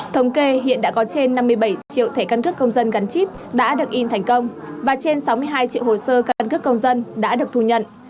thống kê hiện đã có trên năm mươi bảy triệu thẻ căn cước công dân gắn chip đã được in thành công và trên sáu mươi hai triệu hồ sơ căn cước công dân đã được thu nhận